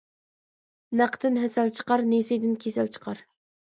نەقتىن ھەسەل چىقار نېسىدىن كېسەل چىقار.